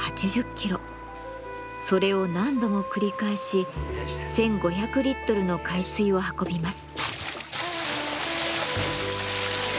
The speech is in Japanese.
それを何度も繰り返し１，５００リットルの海水を運びます。